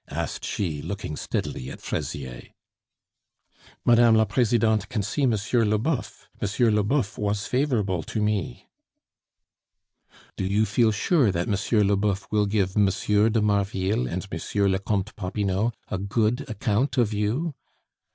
asked she, looking steadily at Fraisier. "Mme. la Presidente can see M. Leboeuf; M. Leboeuf was favorable to me." "Do you feel sure that M. Leboeuf will give M. de Marville and M. le Comte Popinot a good account of you?"